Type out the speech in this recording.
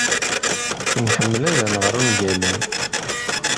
Nḥemmel ad nɣer ungalen.